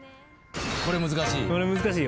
これ難しい。